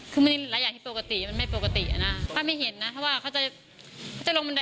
คือไม่ได้หลายอย่างที่ปกติมันไม่ปกติอ่ะนะป้าไม่เห็นนะเพราะว่าเขาจะเขาจะลงบันได